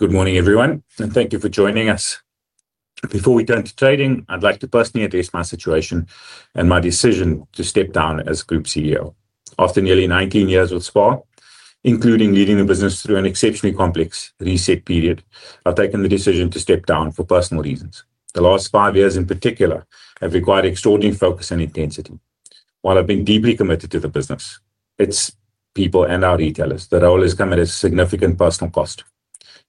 Good morning, everyone, and thank you for joining us. Before we turn to trading, I'd like to personally address my situation and my decision to step down as Group CEO. After nearly 19 years with SPAR, including leading the business through an exceptionally complex reset period, I've taken the decision to step down for personal reasons. The last five years, in particular, have required extraordinary focus and intensity. While I've been deeply committed to the business, its people, and our retailers, the role has come at a significant personal cost.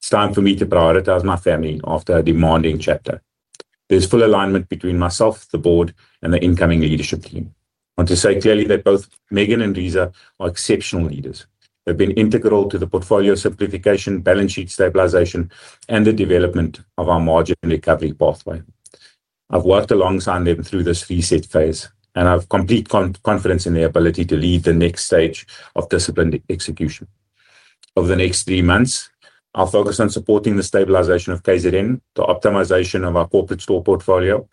It's time for me to prioritize my family after a demanding chapter. There's full alignment between myself, the board, and the incoming leadership team. I want to say clearly that both Megan and Reeza are exceptional leaders. They've been integral to the portfolio simplification, balance sheet stabilization, and the development of our margin recovery pathway. I've worked alongside them through this reset phase, and I have complete confidence in their ability to lead the next stage of disciplined execution. Over the next three months, I'll focus on supporting the stabilization of KZN, the optimization of our corporate store portfolio,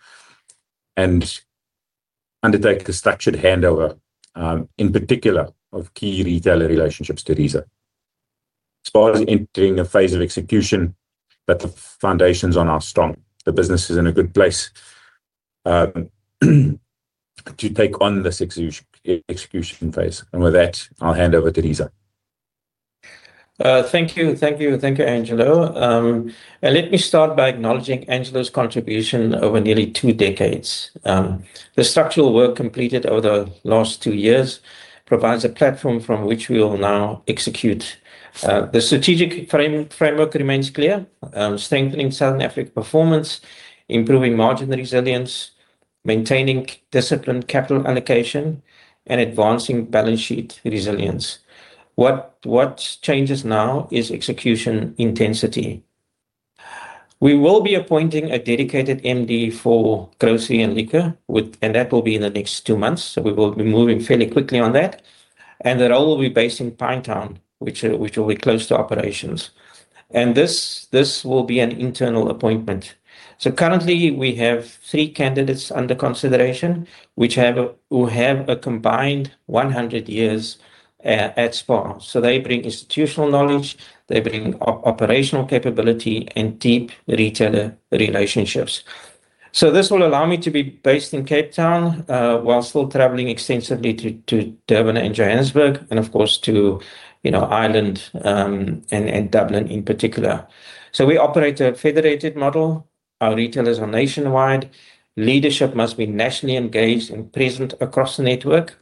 and undertake a structured handover, in particular, of key retailer relationships to Reeza. SPAR is entering a phase of execution, but the foundations on are strong. The business is in a good place to take on this execution phase. With that, I'll hand over to Reeza. Thank you. Thank you. Thank you, Angelo. And let me start by acknowledging Angelo's contribution over nearly two decades. The structural work completed over the last two years provides a platform from which we will now execute. The strategic frame, framework remains clear: strengthening Southern Africa performance, improving margin resilience, maintaining disciplined capital allocation, and advancing balance sheet resilience. What changes now is execution intensity. We will be appointing a dedicated MD for Grocery and Liquor with... That will be in the next two months, so we will be moving fairly quickly on that. The role will be based in Pinetown, which will be close to operations, and this will be an internal appointment. Currently, we have three candidates under consideration, who have a combined 100 years at SPAR. They bring institutional knowledge, they bring operational capability, and deep retailer relationships. This will allow me to be based in Cape Town, while still traveling extensively to, to Durban and Johannesburg and, of course, to, you know, Ireland, and Dublin in particular. We operate a federated model. Our retailers are nationwide. Leadership must be nationally engaged and present across the network,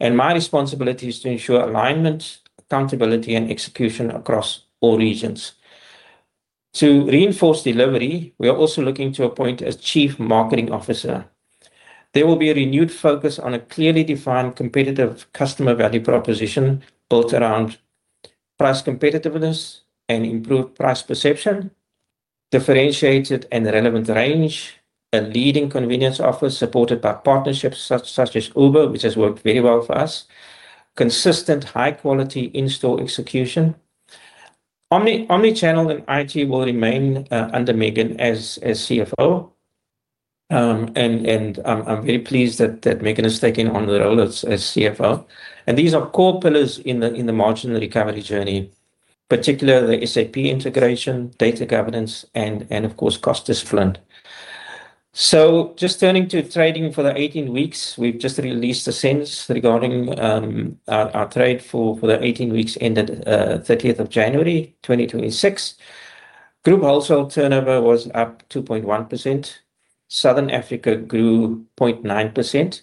and my responsibility is to ensure alignment, accountability, and execution across all regions. To reinforce delivery, we are also looking to appoint a Chief Marketing Officer. There will be a renewed focus on a clearly defined, competitive customer value proposition built around price competitiveness and improved price perception, differentiated and relevant range, a leading convenience offer supported by partnerships such as Uber, which has worked very well for us. Consistent, high-quality in-store execution. Omni, omnichannel and IT will remain under Megan as CFO. I'm very pleased that Megan has taken on the role as CFO. These are core pillars in the margin recovery journey, particularly the SAP integration, data governance, and of course, cost discipline. Just turning to trading for the 18 weeks, we've just released a sense regarding our trade for the 18 weeks ended 30th of January 2026. Group wholesale turnover was up 2.1%. Southern Africa grew 0.9%.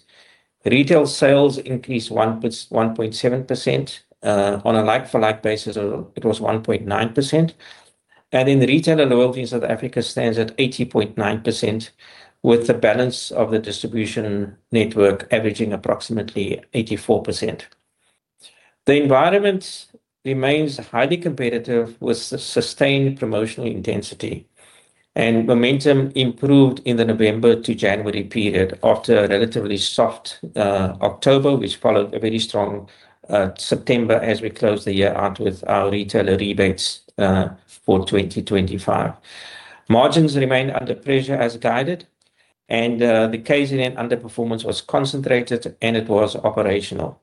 Retail sales increased 1.7%. On a like-for-like basis, it was 1.9%. In the retailer loyalty in South Africa stands at 80.9%, with the balance of the distribution network averaging approximately 84%. The environment remains highly competitive, with sustained promotional intensity, and momentum improved in the November to January period after a relatively soft October, which followed a very strong September as we closed the year out with our retailer rebates for 2025. Margins remained under pressure as guided, and the KZN underperformance was concentrated, and it was operational.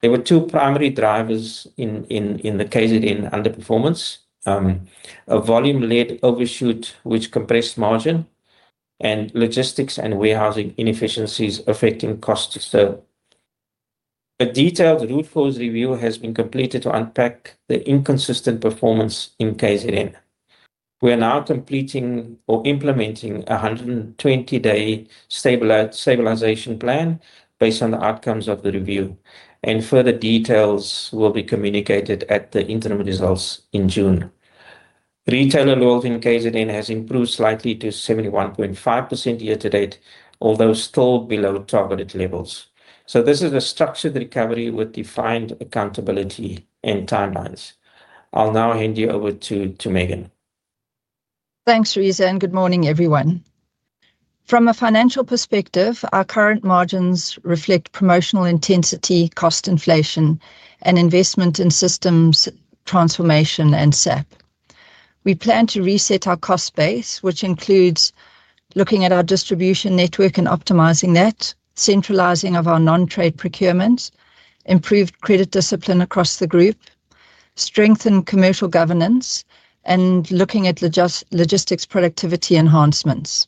There were two primary drivers in the KZN underperformance. A volume-led overshoot, which compressed margin, and logistics and warehousing inefficiencies affecting cost sale. A detailed root cause review has been completed to unpack the inconsistent performance in KZN. We are now completing or implementing a 120-day stabilization plan based on the outcomes of the review, and further details will be communicated at the interim results in June. Retailer loyalty in KZN has improved slightly to 71.5% year-to-date, although still below targeted levels. This is a structured recovery with defined accountability and timelines. I'll now hand you over to Megan. Thanks, Reeza. Good morning, everyone. From a financial perspective, our current margins reflect promotional intensity, cost inflation, and investment in systems transformation and SAP. We plan to reset our cost base, which includes looking at our distribution network and optimizing that, centralizing of our non-trade procurements, improved credit discipline across the group, strengthen commercial governance, and looking at logistics productivity enhancements.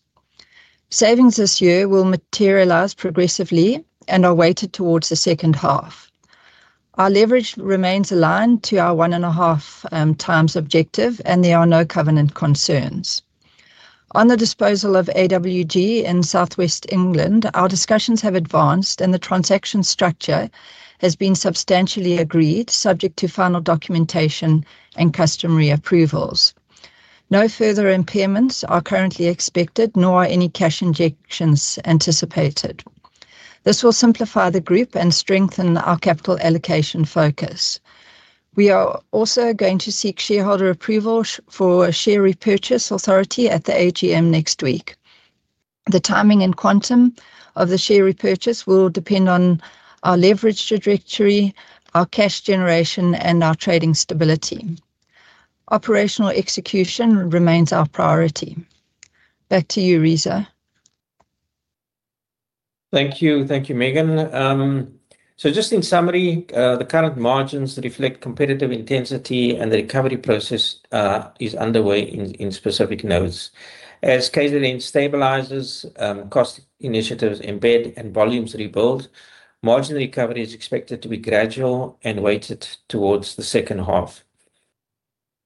Savings this year will materialize progressively and are weighted towards the second half. Our leverage remains aligned to our 1.5x objective. There are no covenant concerns. On the disposal of AWG in Southwest England, our discussions have advanced. The transaction structure has been substantially agreed, subject to final documentation and customary approvals. No further impairments are currently expected, nor are any cash injections anticipated. This will simplify the group and strengthen our capital allocation focus. We are also going to seek shareholder approval for a share repurchase authority at the AGM next week. The timing and quantum of the share repurchase will depend on our leverage trajectory, our cash generation, and our trading stability. Operational execution remains our priority. Back to you, Reeza. Thank you. Thank you, Megan. Just in summary, the current margins reflect competitive intensity, and the recovery process is underway in specific nodes. As KZN stabilizes, cost initiatives embed and volumes rebuild, margin recovery is expected to be gradual and weighted towards the second half.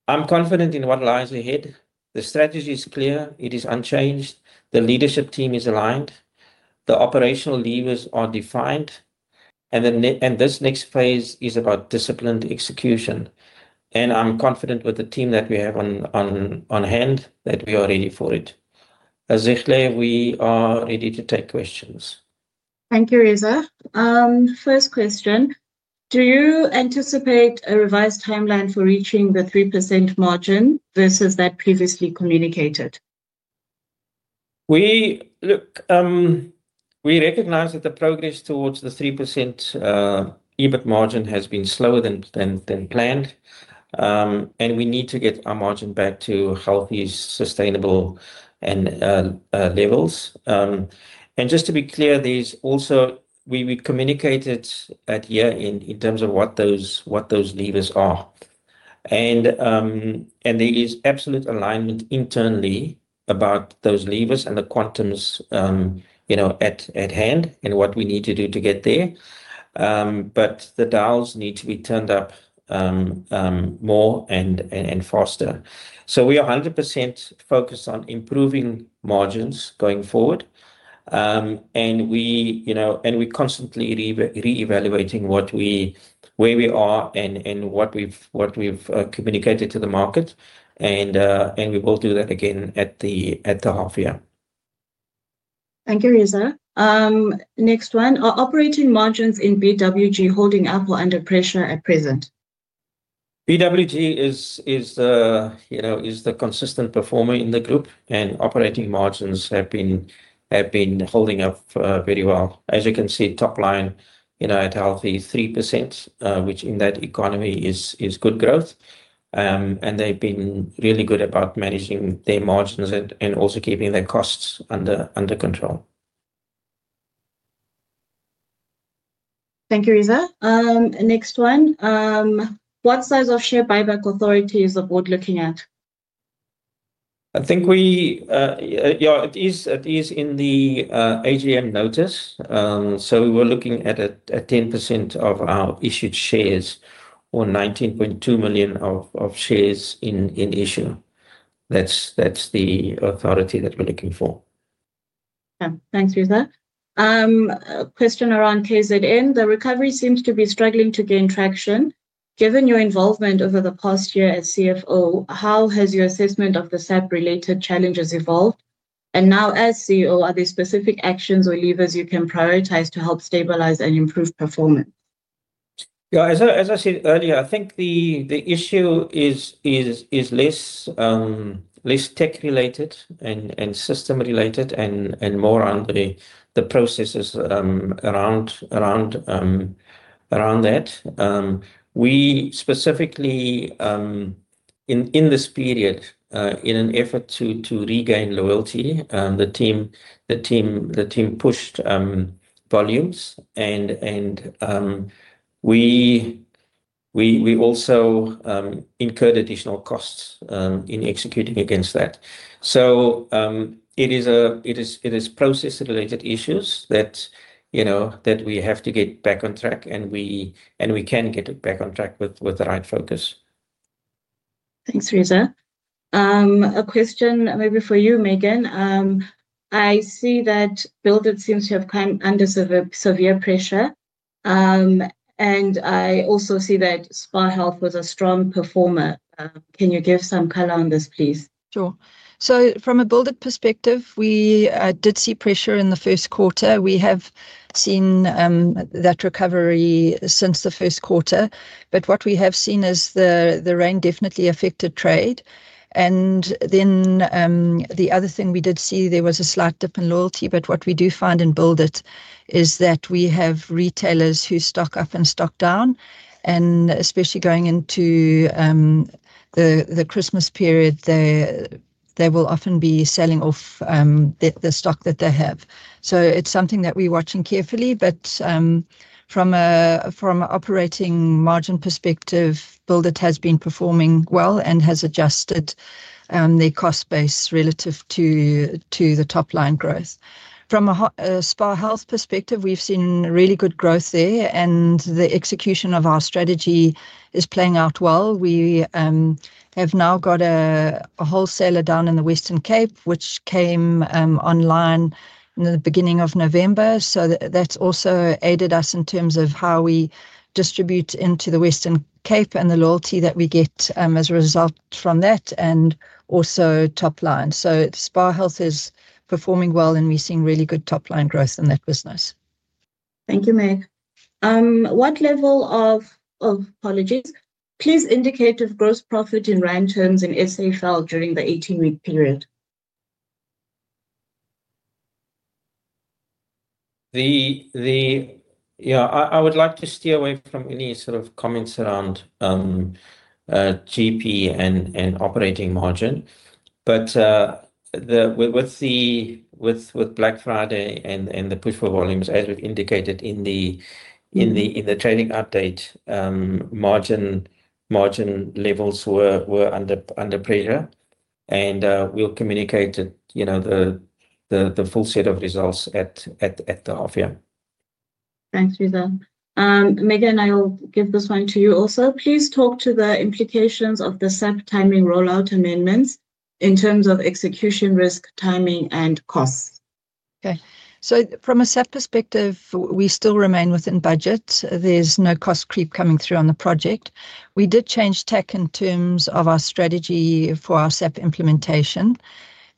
I'm confident in what lies ahead. The strategy is clear, it is unchanged. The leadership team is aligned, the operational levers are defined, and this next phase is about disciplined execution. I'm confident with the team that we have on, on, on hand that we are ready for it. Actually, we are ready to take questions. Thank you, Reeza. First question: Do you anticipate a revised timeline for reaching the 3% margin versus that previously communicated? We, look, we recognize that the progress towards the 3% EBIT margin has been slower than planned. We need to get our margin back to healthy, sustainable, and levels. Just to be clear, there's also. We communicated at year in, in terms of what those levers are. There is absolute alignment internally about those levers and the quantums, you know, at hand, and what we need to do to get there. The dials need to be turned up more and faster. We are 100% focused on improving margins going forward. We, you know, we constantly reevaluating where we are and what we've, what we've communicated to the market. We will do that again at the half year. Thank you, Reeza. Next one. Are operating margins in BWG holding up or under pressure at present? BWG is, is the, you know, is the consistent performer in the group, and operating margins have been, have been holding up, very well. As you can see, top line, you know, at healthy 3%, which in that economy is, is good growth. They've been really good about managing their margins and also keeping their costs under, under control. Thank you, Reeza. Next one. What size of share buyback authority is the board looking at? I think we, yeah, it is, it is in the AGM notice. We were looking at a, at 10% of our issued shares or 19.2 million of shares in issue. That's, that's the authority that we're looking for. Thanks, Reeza. A question around KZN. The recovery seems to be struggling to gain traction. Given your involvement over the past year as CFO, how has your assessment of the SAP-related challenges evolved? Now, as CEO, are there specific actions or levers you can prioritize to help stabilize and improve performance? Yeah, as I, as I said earlier, I think the, the issue is, is, is less less tech related and, and system related and, and more around the, the processes around, around around that. We specifically in, in this period in an effort to, to regain loyalty, the team, the team, the team pushed volumes and, and we, we, we also incurred additional costs in executing against that. It is, it is process-related issues that, you know, that we have to get back on track, and we, and we can get it back on track with, with the right focus. Thanks, Reeza. A question maybe for you, Megan. I see that Build It seems to have come under sever- severe pressure. I also see that SPAR Health was a strong performer. Can you give some color on this, please? Sure. From a Build It perspective, we did see pressure in the first quarter. We have seen that recovery since the first quarter. What we have seen is the rain definitely affected trade. The other thing we did see, there was a slight dip in loyalty, but what we do find in Build It is that we have retailers who stock up and stock down, and especially going into the Christmas period, they will often be selling off the stock that they have. It's something that we're watching carefully, but from a, from a operating margin perspective, Build It has been performing well and has adjusted their cost base relative to the top-line growth. From a SPAR Health perspective, we've seen really good growth there, and the execution of our strategy is playing out well. We have now got a, a wholesaler down in the Western Cape, which came online in the beginning of November. That, that's also aided us in terms of how we distribute into the Western Cape and the loyalty that we get as a result from that and also top line. SPAR Health is performing well, and we're seeing really good top-line growth in that business. Thank you, Meg. Apologies. Please indicate if gross profit in rand terms in SA fell during the 18-week period? Yeah, I would like to steer away from any sort of comments around GP and operating margin. With Black Friday and the push for volumes, as we've indicated in the trading update, margin, margin levels were under pressure. We'll communicate, you know, the full set of results at the half year. Thanks, Reeza. Megan, I will give this one to you also. Please talk to the implications of the SAP timing rollout amendments in terms of execution, risk, timing, and costs. Okay. From a SAP perspective, we still remain within budget. There's no cost creep coming through on the project. We did change tack in terms of our strategy for our SAP implementation.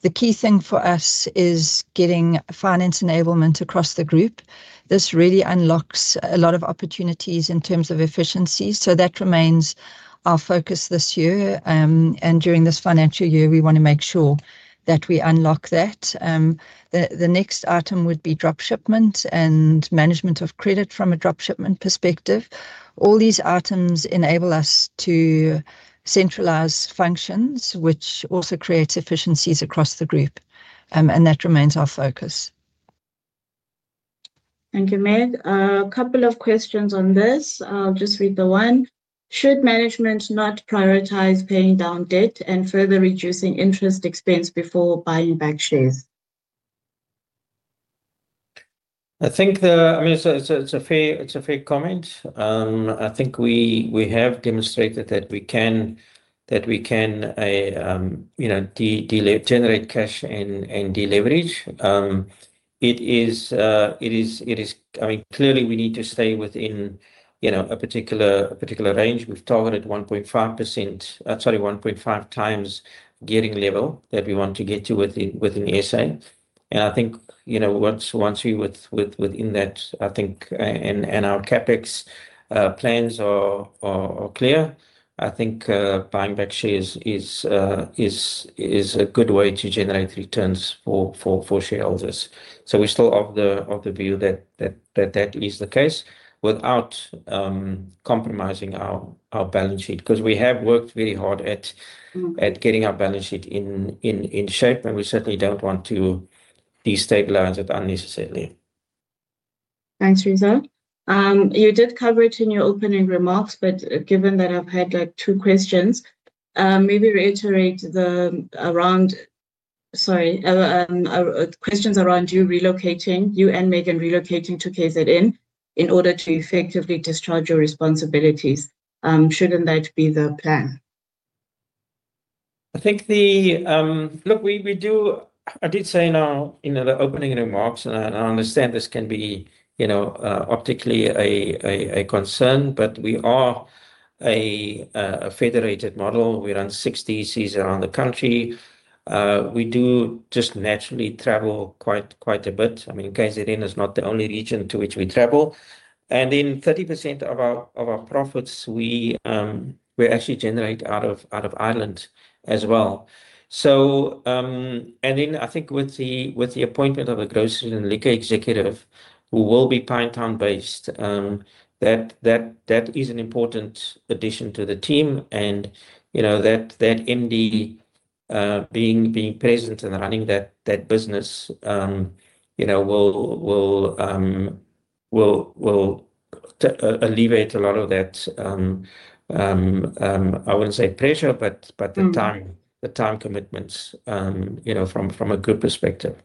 The key thing for us is getting finance enablement across the group. This really unlocks a lot of opportunities in terms of efficiencies, so that remains our focus this year. During this financial year, we want to make sure that we unlock that. The next item would be drop shipment and management of credit from a drop shipment perspective. All these items enable us to centralize functions, which also creates efficiencies across the group, and that remains our focus. Thank you, Meg. Couple of questions on this. I'll just read the one. Should management not prioritize paying down debt and further reducing interest expense before buying back shares? I think the... I mean, it's a, it's a fair, it's a fair comment. I think we, we have demonstrated that we can, that we can, you know, generate cash and, and deleverage. It is, it is, it is... I mean, clearly, we need to stay within, you know, a particular, a particular range. We've targeted 1.5%, sorry, 1.5x gearing level that we want to get to within, within SA. I think, you know, once, once we're within that, I think, and, and our CapEx plans are, are, are clear, I think, buying back shares is, is, is a good way to generate returns for, for, for shareholders. We're still of the, of the view that, that, that that is the case without compromising our, our balance sheet. 'Cause we have worked very hard at getting our balance sheet in, in, in shape, and we certainly don't want to destabilize it unnecessarily. Thanks, Reeza. You did cover it in your opening remarks, but given that I've had, like, two questions, maybe reiterate the around... Sorry, questions around you relocating, you and Megan relocating to KZN in order to effectively discharge your responsibilities. Shouldn't that be the plan? I think the... Look, we, we do- I did say in our, in the opening remarks, and I understand this can be, you know, optically a, a, a concern, but we are a, a, a federated model. We run six DCs around the country. We do just naturally travel quite, quite a bit. I mean, KZN is not the only region to which we travel, and then 30% of our, of our profits, we, we actually generate out of, out of Ireland as well. And then I think with the, with the appointment of a Grocery and Liquor executive who will be Pietermaritzburg based, that, that, that is an important addition to the team, and, you know, that, that MD, being, being present and running that, that business, you know, will, will, will, will alleviate a lot of that, I wouldn't say pressure, but, but the time, the time commitments, you know, from, from a good perspective.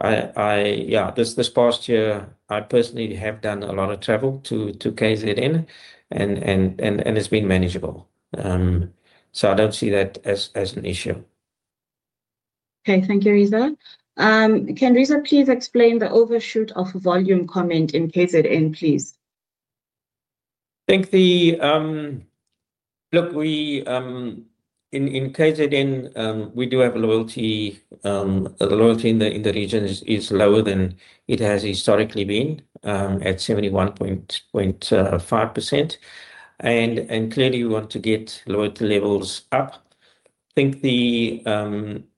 I, I, yeah, this, this past year, I personally have done a lot of travel to, to KZN, and, and, and, and it's been manageable. I don't see that as, as an issue. Okay. Thank you, Reeza. Can Reeza please explain the overshoot of volume comment in KZN, please? I think the... Look, we, in KZN, we do have loyalty. The loyalty in the, in the region is, is lower than it has historically been, at 71.5%. Clearly, we want to get loyalty levels up. I think the,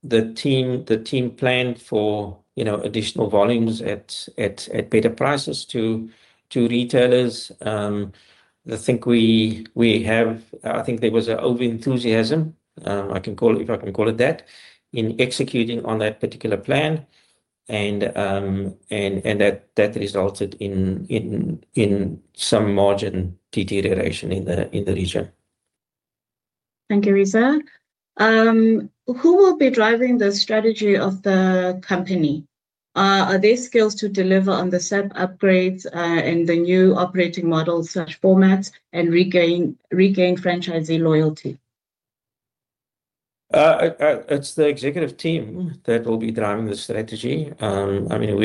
the team, the team planned for, you know, additional volumes at, at, at better prices to, to retailers. I think we, we have... I think there was an overenthusiasm, I can call it, if I can call it that, in executing on that particular plan. That, that resulted in, in, in some margin deterioration in the, in the region. Thank you, Reeza. Who will be driving the strategy of the company? Are there skills to deliver on the SAP upgrades, and the new operating model/formats and regain, regain franchisee loyalty? It's the executive team that will be driving the strategy. I mean,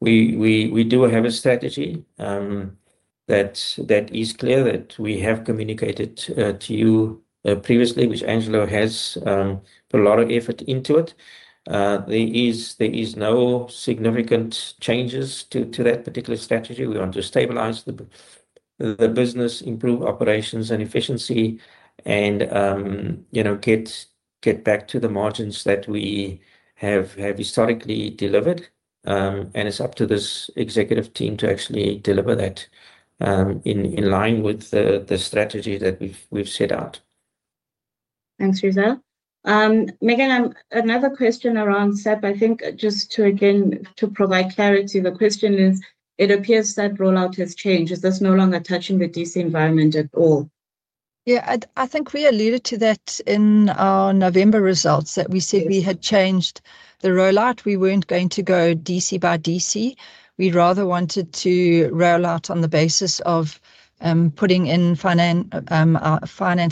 we do have a strategy that is clear, that we have communicated to you previously, which Angelo has put a lot of effort into it. There is no significant changes to that particular strategy. We want to stabilize the business, improve operations and efficiency and, you know, get, get back to the margins that we have historically delivered. It's up to this executive team to actually deliver that in line with the strategy that we've set out. Thanks, Reeza. Megan, another question around SAP. I think just to, again, to provide clarity, the question is: It appears that rollout has changed. Is this no longer touching the DC environment at all? Yeah, I, I think we alluded to that in our November results, that we said we had changed the rollout. We weren't going to go DC by DC. We'd rather wanted to roll out on the basis of putting in finance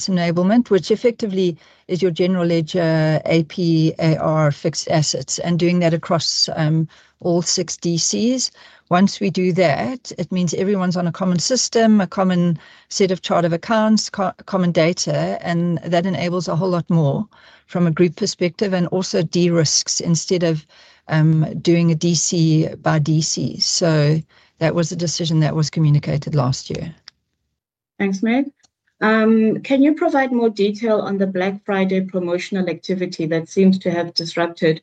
enablement, which effectively is your general ledger, AP, AR, fixed assets, and doing that across all six DCs. Once we do that, it means everyone's on a common system, a common set of chart of accounts, co-common data, and that enables a whole lot more from a group perspective, and also de-risks instead of doing a DC by DC. That was a decision that was communicated last year. Thanks, Meg. Can you provide more detail on the Black Friday promotional activity that seems to have disrupted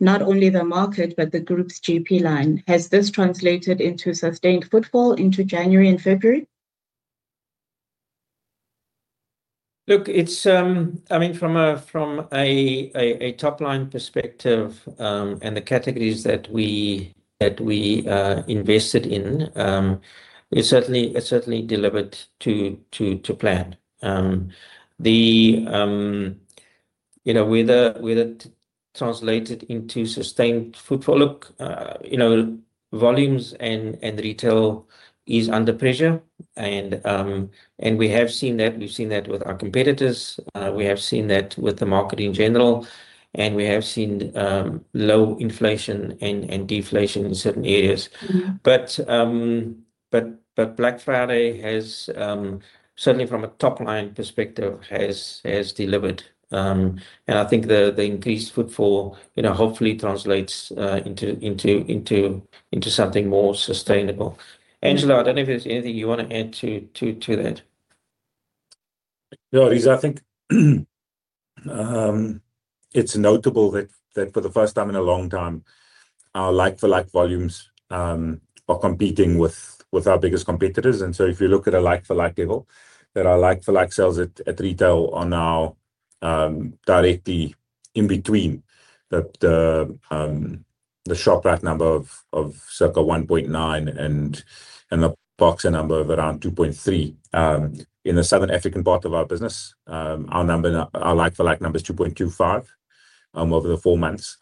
not only the market but the group's GP line? Has this translated into sustained footfall into January and February? Look, it's, I mean, from a, from a, a, a top-line perspective, and the categories that we, that we, invested in, it certainly, it certainly delivered to, to, to plan. The, you know, whether, whether it translated into sustained footfall, look, you know, volumes and, and retail is under pressure and, we have seen that, we've seen that with our competitors. We have seen that with the market in general, and we have seen, low inflation and, and deflation in certain areas. Mm-hmm. Black Friday has, but certainly from a top-line perspective, has, has delivered. I think the increased footfall, you know, hopefully translates into something more sustainable. Mm-hmm. Angelo, I don't know if there's anything you want to add to, to, to that. No, Reeza, I think it's notable that, that for the first time in a long time, our like-for-like volumes are competing with, with our biggest competitors. So if you look at a like-for-like level, that our like-for-like sales at, at retail are now directly in between the, the Shoprite number of, of circa 1.9% and, and the Boxer number of around 2.3%. In the Southern African part of our business, our number, our like-for-like number is 2.25% over the four months.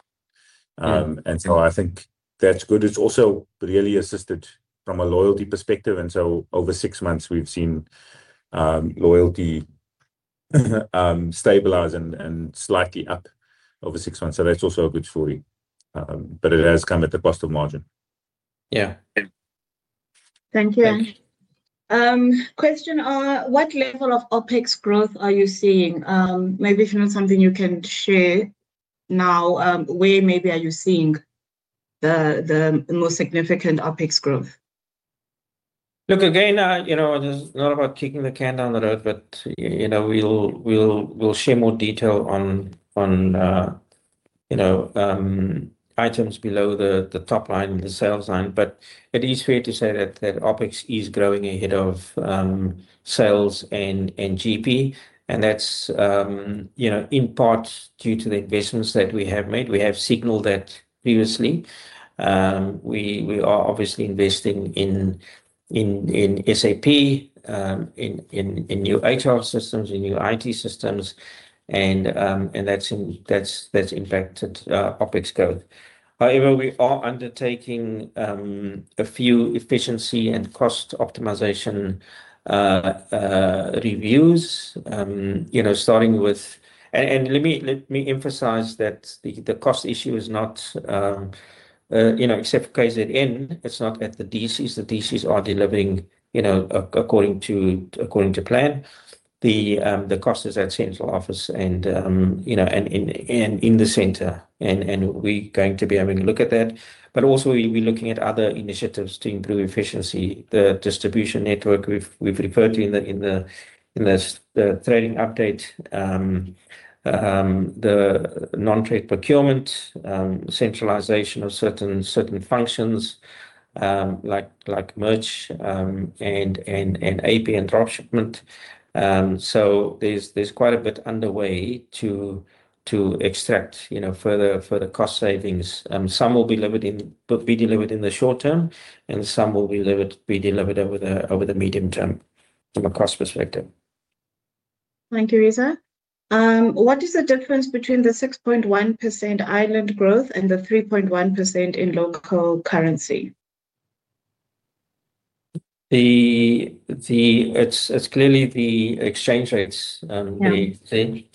I think that's good. It's also really assisted from a loyalty perspective, and so over six months, we've seen loyalty stabilize and, and slightly up over six months. That's also a good story. It has come at the cost of margin. Yeah. Thank you. Question, what level of OpEx growth are you seeing? Maybe if not something you can share now, where maybe are you seeing the, the most significant OpEx growth? Look, again, you know, this is not about kicking the can down the road, but, you know, we'll share more detail on, you know, items below the top line, the sales line. It is fair to say that OpEx is growing ahead of sales and GP, and that's, you know, in part due to the investments that we have made. We have signaled that previously. We are obviously investing in SAP, in new HR systems, in new IT systems, and that's impacted OpEx growth. We are undertaking a few efficiency and cost optimization reviews. You know, starting with... Let me, let me emphasize that the, the cost issue is not, you know, except for KZN, it's not at the DCs. The DCs are delivering, you know, according to, according to plan. The cost is at central office and, you know, and in, and in the center, and we're going to be having a look at that. Also, we'll be looking at other initiatives to improve efficiency. The distribution network we've, we've referred to in the, in the, in the trading update, the non-trade procurement, centralization of certain, certain functions, like, like merch, and, and, and AP and drop shipment. There's, there's quite a bit underway to, to extract, you know, further, further cost savings. Some will be delivered in the short term, and some will be delivered over the medium term from a cost perspective. Thank you, Reeza. What is the difference between the 6.1% Ireland growth and the 3.1% in local currency? It's clearly the exchange rates. Yeah. The thing,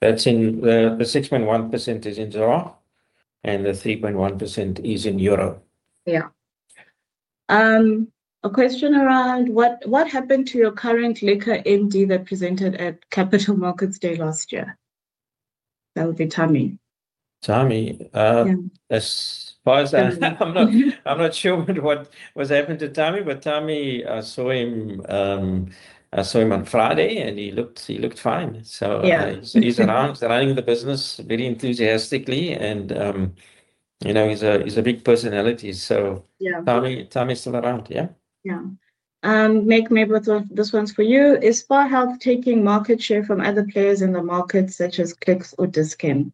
that's in the, the 6.1% is in ZAR, and the 3.1% is in euro. Yeah. A question around what, what happened to your current Liquor MD that presented at Capital Markets Day last year? That would be Tammy. Tammy. Yeah. As far as I know, I'm not, I'm not sure what, what's happened to Tammy, but Tammy, I saw him, I saw him on Friday, and he looked, he looked fine. Yeah. he's around, running the business very enthusiastically, and, you know, he's a, he's a big personality, so. Yeah. Tammy, Tammy is still around. Yeah. Yeah. Meg, maybe this one's for you. Is SPAR Health taking market share from other players in the market, such as Clicks or Dis-Chem?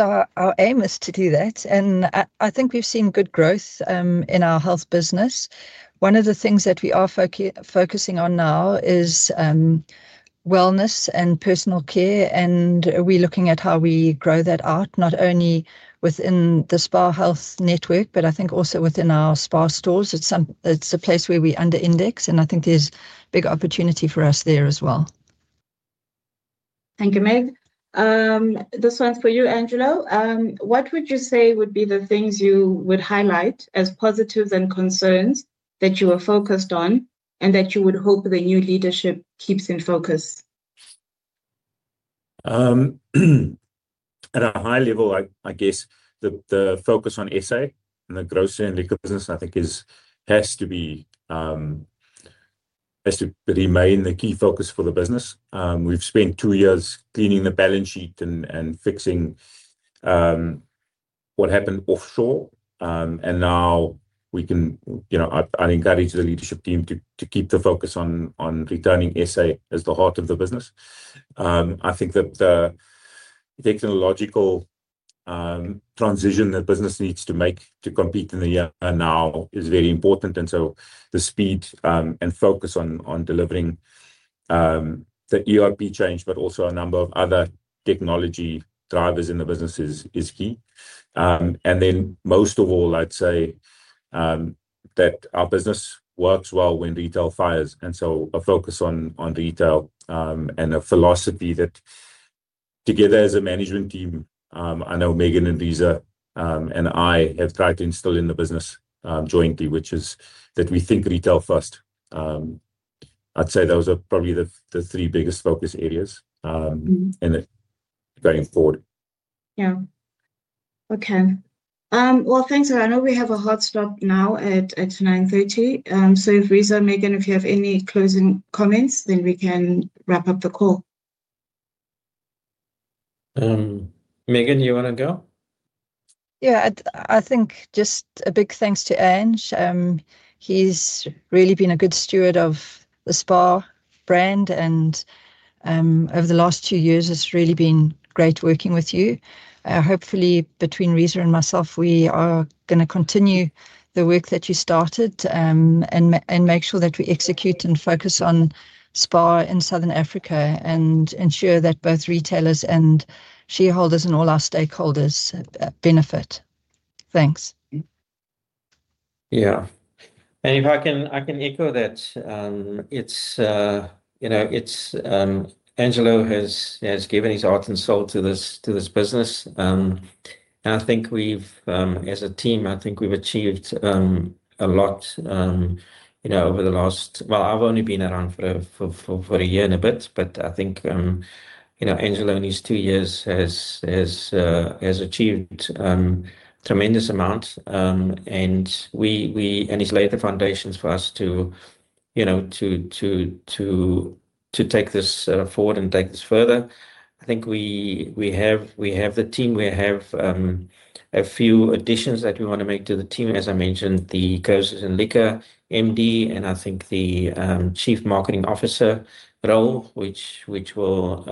Our aim is to do that, and I, I think we've seen good growth in our health business. One of the things that we are focusing on now is wellness and personal care, and we're looking at how we grow that out, not only within the SPAR Health network, but I think also within our SPAR stores. It's a place where we under index, and I think there's big opportunity for us there as well. Thank you, Meg. This one's for you, Angelo. What would you say would be the things you would highlight as positives and concerns that you are focused on, and that you would hope the new leadership keeps in focus? At a high level, I, I guess the, the focus on SA and the Grocery and Liquor business, I think is, has to be, has to remain the key focus for the business. We've spent two years cleaning the balance sheet and, and fixing, what happened offshore. Now we can, you know, I, I'd encourage the leadership team to, to keep the focus on, on returning SA as the heart of the business. I think that the technological, transition the business needs to make to compete in the year now is very important. So the speed, and focus on, on delivering, the ERP change, but also a number of other technology drivers in the business is, is key. Most of all, I'd say, that our business works well when retail fires, and so a focus on, on retail, and a philosophy that together as a management team, I know Megan and Reeza, and I have tried to instill in the business, jointly, which is that we think retail first. I'd say those are probably the, the three biggest focus areas. Mm-hmm. going forward. Yeah. Okay. Well, thanks. I know we have a hard stop now at, at 9:30. If Reeza, Megan, if you have any closing comments, then we can wrap up the call. Megan, you want to go? Yeah, I, I think just a big thanks to Ange. He's really been a good steward of the SPAR brand, and over the last two years, it's really been great working with you. Hopefully, between Reeza and myself, we are going to continue the work that you started, and make sure that we execute and focus on SPAR in Southern Africa, and ensure that both retailers and shareholders and all our stakeholders benefit. Thanks. Yeah. If I can, I can echo that. It's, you know, it's, Angelo has, has given his heart and soul to this, to this business. I think we've, as a team, I think we've achieved, a lot, you know, over the last. Well, I've only been around for a year and a bit, but I think, you know, Angelo, in his two years, has, has, has achieved, tremendous amounts. He's laid the foundations for us to, you know, to, to, to, to take this, forward and take this further. I think we, we have, we have the team. We have, a few additions that we want to make to the team. As I mentioned, the Groceries and Liquor MD, and I think the Chief Marketing Officer role, which, which will,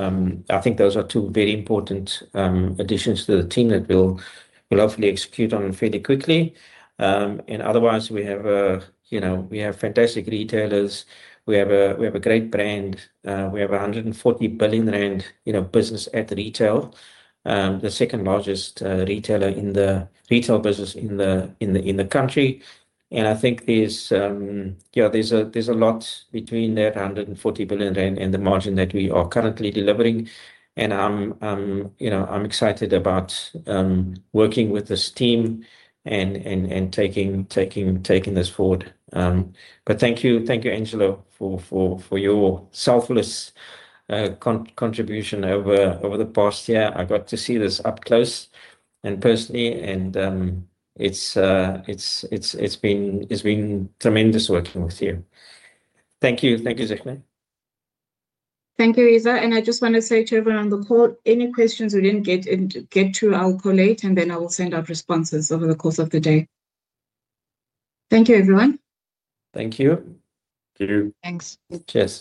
I think those are two very important additions to the team that we'll, we'll hopefully execute on fairly quickly. Otherwise, we have, you know, we have fantastic retailers. We have a, we have a great brand. We have 140 billion rand, you know, business at retail. The second largest retailer in the retail business in the, in the, in the country. I think there's, yeah, there's a, there's a lot between that 140 billion rand and the margin that we are currently delivering. I'm, I'm, you know, I'm excited about working with this team and, and, and taking, taking, taking this forward. Thank you. Thank you, Angelo, for your selfless contribution over the past year. I got to see this up close and personally, and it's been tremendous working with you. Thank you. Thank you, Zukiswa. Thank you, Reeza. I just want to say to everyone on the call, any questions we didn't get in, get to, I'll collate, and then I will send out responses over the course of the day. Thank you, everyone. Thank you. Thank you. Thanks. Cheers.